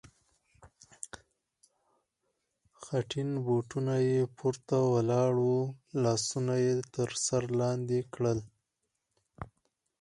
خټین بوټونه یې پورته ولاړ و، لاسونه یې تر سر لاندې کړل.